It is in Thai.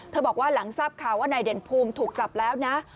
บอกว่าหลังทราบข่าวว่านายเด่นภูมิถูกจับแล้วนะ